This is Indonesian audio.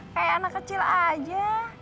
kayak anak kecil aja